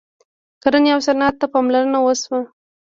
کرنې او صنعت ته پاملرنه وشوه.